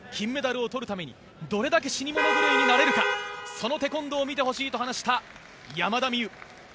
金メダルを取るためにどれだけ死に物狂いになれるかそのテコンドーを見てほしいと話した山田美諭。